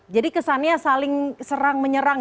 jadi kesannya saling serang menyerang